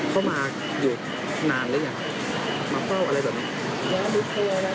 เข้ามาอยู่นานหรือยังมาเฝ้าอะไรแบบนี้